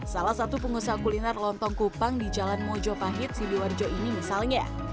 salah satu pengusaha kuliner lontong kupang di jalan mojo pahit siliwarjo ini misalnya